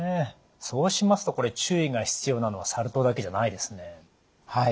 そうしますと注意が必要なのはサル痘だけじゃないですね。